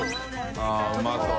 あっうまそう。